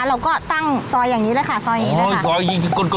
เราก็ตั้งซอยอย่างนี้แหละค่ะซอยนี้แหละค่ะ